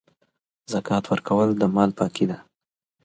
زکات ورکول د مال پاکي ده.